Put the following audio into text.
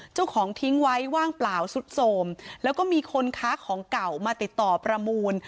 ทิ้งไว้ว่างเปล่าสุดโสมแล้วก็มีคนค้าของเก่ามาติดต่อประมูล